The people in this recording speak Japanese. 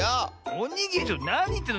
おにぎりなにいってんの？